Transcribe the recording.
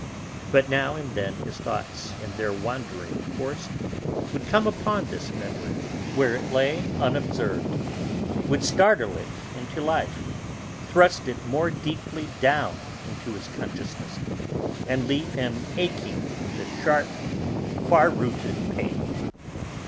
But now and then his thoughts in their wandering course would come upon this memory where it lay unobserved, would startle it into life, thrust it more deeply down into his consciousness, and leave him aching with a sharp, far rooted pain.